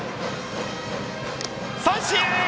三振！